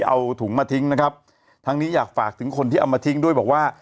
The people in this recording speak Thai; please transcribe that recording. เอาถุงมาทิ้งนะครับทั้งนี้อยากฝากถึงคนที่เอามาทิ้งด้วยบอกว่า